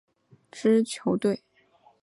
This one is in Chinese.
之后几个赛季格林转辗多支球队。